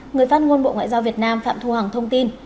người phát ngôn bộ ngoại giao việt nam phạm thu hằng thông tin